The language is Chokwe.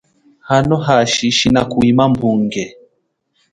Hano hashi shina kuhwima mbunge.